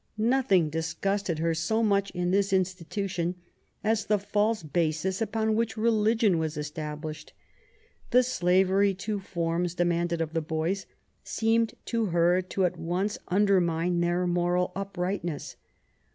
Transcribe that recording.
Nothing •disgusted her so much in this institution as the false basis upon which religion was established. The slavery to forms^ demanded of the boys^ seemed to her to «t once undermine their moral uprightness.